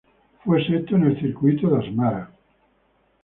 Fue sexto en el Circuit of Asmara.